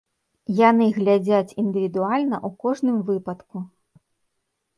Яны глядзяць індывідуальна ў кожным выпадку.